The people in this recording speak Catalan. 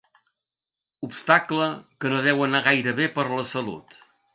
Obstacle que no deu anar gaire bé per a la salut.